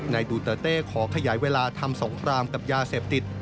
ดูเตอร์เต้ขอขยายเวลาทำสงครามกับยาเสพติด